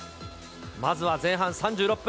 まずは前半３６分。